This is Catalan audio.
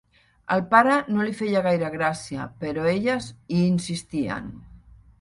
Al pare no li feia gaire gràcia, però elles hi insistien.